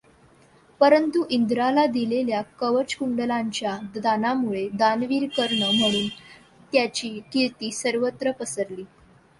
परंतु इंद्राला दिलेल्या कवच कुंडलांच्या दानामुळे दानवीर कर्ण म्हणून त्याची कीर्ती सर्वत्र पसरली.